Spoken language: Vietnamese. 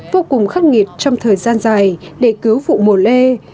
vô cùng khắc nghiệt trong thời gian dài để cứu vụ mùa lê